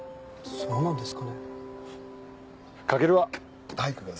そうなんですか！